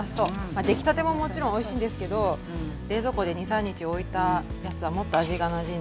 まあ出来たてももちろんおいしいんですけど冷蔵庫で２３日置いたやつはもっと味がなじんでおいしくなるんですよ。